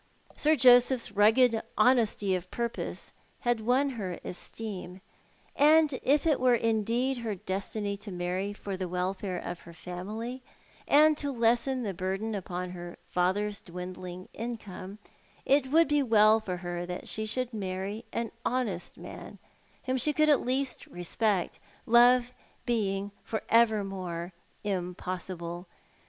Sir Joseph's rugged honesty of purpose had won her esteem ; and if it were indeed her destiny to marry for the welfire of her family, and to lessen the burden upon her father's dwindling income, it would be well for her that she should marry an honest man, whom she could at least respect ; love being for evermore impossible.